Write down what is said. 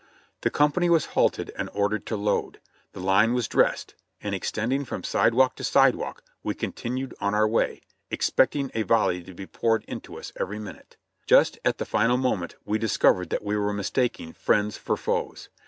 The company was halted and ordered to load, the line was dressed, and extending from sidewalk to sidewalk, we con tinued on our way, expecting a volley to be poured into us every minute. Just at the final moment we discovered that we were mistaking friends for foes.